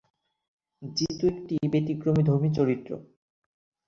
জিতু এক ব্যতিক্রমধর্মী চরিত্র।